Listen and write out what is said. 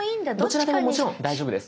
どちらでももちろん大丈夫です。